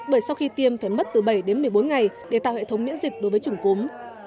bởi sau khi tiêm phải mất từ bảy đến một mươi bốn ngày để tạo hệ thống miễn dịch đối với chủng cúm